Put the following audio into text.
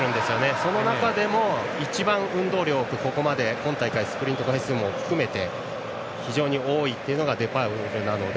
その中でも一番、運動量が多くここまで今大会スプリント回数も含めて非常に多いのがデパウルなので。